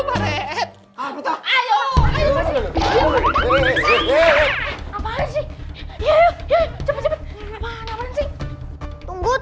aduh pak reet